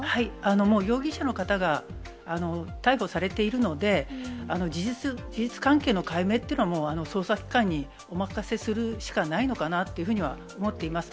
もう容疑者の方が逮捕されているので、事実関係の解明っていうのはもう捜査機関にお任せするしかないのかなというふうには思っています。